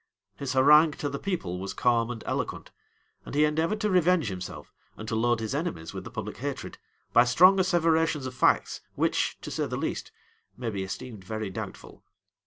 [*] His harangue to the people was calm and eloquent; and he endeavored to revenge himself, and to load his enemies with the public hatred, by strong asseverations of facts, which, to say the least, may be esteemed very doubtful.